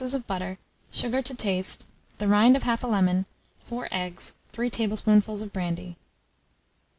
of butter, sugar to taste, the rind of 1/2 lemon, 4 eggs, 3 tablespoonfuls of brandy.